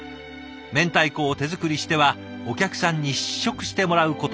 明太子を手作りしてはお客さんに試食してもらうこと３年。